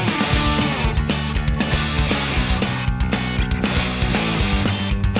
มันอยู่ที่หัวใจ